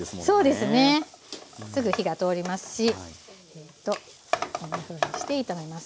すぐ火が通りますしこんなふうにして炒めます。